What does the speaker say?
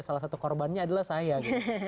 salah satu korbannya adalah saya gitu